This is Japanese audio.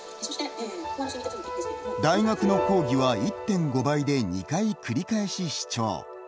大学の講義は１．５倍で２回繰り返し視聴。